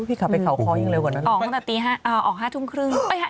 พี่ขับไปเขาคอยังเร็วกว่านั้นออกตั้งแต่ตี๕ออก๕ทุ่มครึ่ง